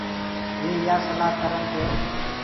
وي يآ سلآ ڪرن ڪي